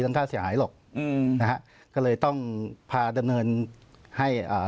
ค่าเสียหายหรอกอืมนะฮะก็เลยต้องพาดำเนินให้อ่า